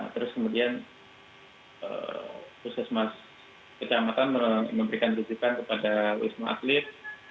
terus kemudian puskesmas kecamatan memberikan tujukan kepada wisma atlet